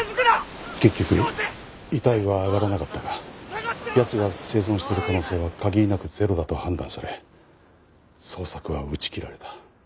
結局遺体はあがらなかったが奴が生存してる可能性は限りなくゼロだと判断され捜索は打ち切られた。